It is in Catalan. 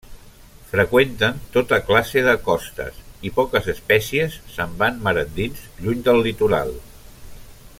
Freqüenten tota classe de costes i poques espècies se'n van mar endins, lluny del litoral.